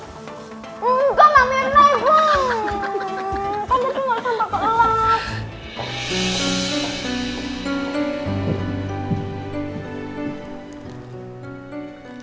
kamu tuh gak sampai keelah